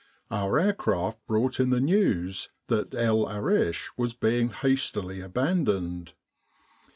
Our aircraft brought in the news that El Arish was being hastily abandoned.